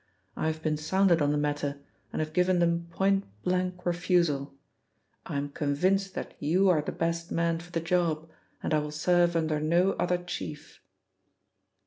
I have been sounded on the matter, and have given them point blank refusal. I am convinced that you are the best man for the job, and I will serve under no other chief."